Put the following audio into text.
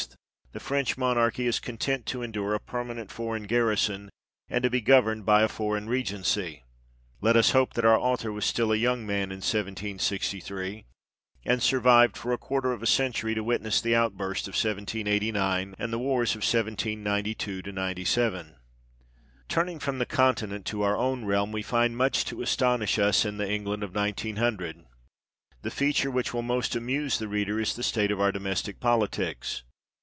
the French monarchy is content to endure a permanent foreign garrison, and to be governed by a foreign regency. Let us hope that our author was still a young man in 1763, and survived for a quarter of a century to witness the outburst of 1789 and the wars of 1792 97. Turning from the Continent to our own realm, we find much to astonish us in the England of 1900. The feature which will most amuse the reader is the state of our domestic politics.